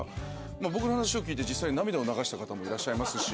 僕の話を聞いて実際に涙を流した方もいらっしゃいますし。